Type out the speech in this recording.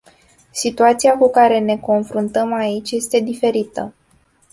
Situația cu care ne confruntăm aici este diferită.